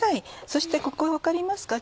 そしてここ分かりますか？